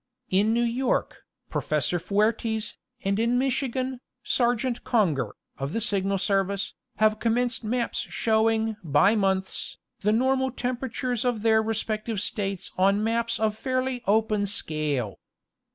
In New York, Professor Fuertes, and in Michigan, Sergeant Conger, of the Signal Service, have commenced maps showing, by months, the normal temperatures of their respective States on maps of fairly open scale.